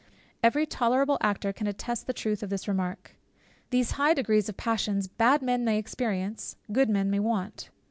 Every tolerable actor can attest the truth of this remark. These high degrees of the passions bad men may experience, good men may want.